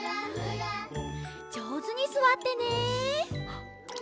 じょうずにすわってね！